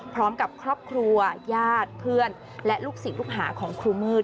พร้อมกับครอบครัวญาติเพื่อนและลูกศิษย์ลูกหาของครูมืด